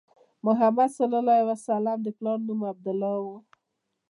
محمد صلی الله علیه وسلم د پلار نوم عبدالله و.